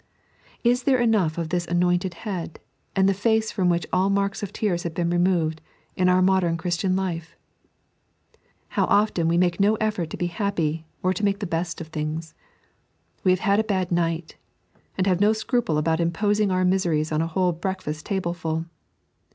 Is there enough of this anointed head, and the face from which all marks of tears have been removed, in our modem Christian life t How often we make no effort to be happy, or to make the best of things 1 We have had a bad night, and have no scruple about imposing oiu miseries on a whole breakfast tableful.